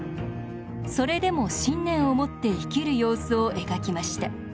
それでも信念を持って生きる様子を描きました。